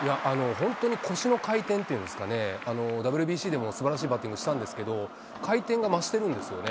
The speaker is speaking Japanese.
本当に腰の回転っていうんですかね、ＷＢＣでもすばらしいバッティングしたんですけど、回転が増してるんですよね。